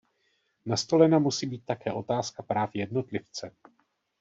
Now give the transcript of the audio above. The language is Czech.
Nastolena musí být také otázka práv jednotlivce.